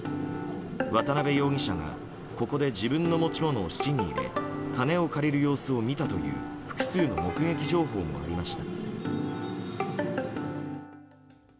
渡辺容疑者がここで自分の持ち物を質に入れ金を借りる様子を見たという複数の目撃情報もありました。